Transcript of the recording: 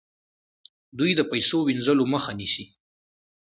دوی د پیسو وینځلو مخه نیسي.